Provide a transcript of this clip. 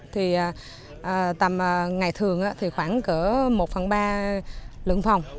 thì tầm ngày thường thì khoảng một phần ba lượng phòng